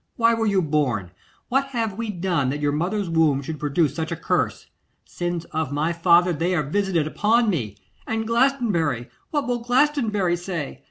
Why were you born? What have we done that your mother's womb should produce such a curse? Sins of my father, they are visited upon me! And Glastonbury, what will Glastonbury say?